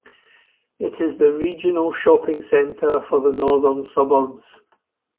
It is the regional shopping centre for the Northern Suburbs.